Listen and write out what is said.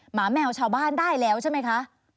หมาแมวชาวบ้านได้แล้วใช่ไหมคะ